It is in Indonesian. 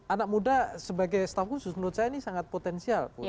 anak muda sebagai staff khusus menurut saya ini sangat potensial